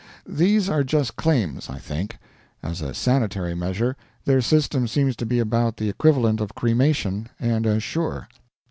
These are just claims, I think. As a sanitary measure, their system seems to be about the equivalent of cremation, and as sure.